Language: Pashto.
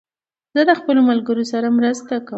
زه د خپلو ملګرو سره مرسته کوم.